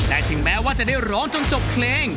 แต่ถึงแม้ว่าจะได้ร้องจนจบเพลง